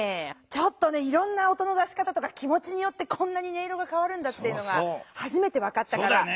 ちょっとねいろんな音の出し方とか気もちによってこんなに音色がかわるんだっていうのがはじめて分かったから。